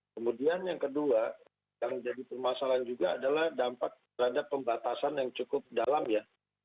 kemudian yang kedua yang jadi permasalahan juga adalah dampak terhadap pembatasan yang cukup dalam ya